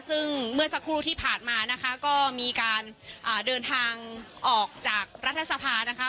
ซึ่งเมื่อสักครู่ที่ผ่านมานะคะก็มีการเดินทางออกจากรัฐสภานะคะ